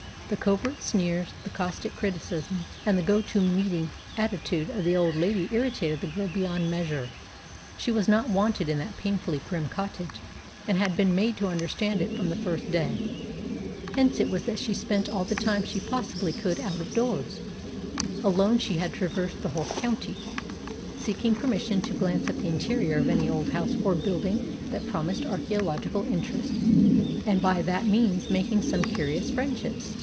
The covert sneers, the caustic criticisms, and the go to meeting attitude of the old lady irritated the girl beyond measure. She was not wanted in that painfully prim cottage, and had been made to understand it from the first day. Hence it was that she spent all the time she possibly could out of doors. Alone she had traversed the whole county, seeking permission to glance at the interior of any old house or building that promised archaeological interest, and by that means making some curious friendships.